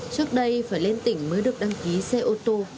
trước đây phải lên tỉnh mới được đăng ký xe ô tô